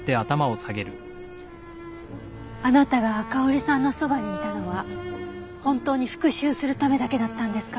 あなたが香織さんのそばにいたのは本当に復讐するためだけだったんですか？